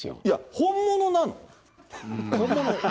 いや、本物なの？